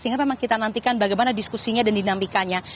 sehingga memang kita nantikan bagaimana diskusinya dan dinamikanya